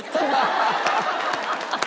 ハハハハハ！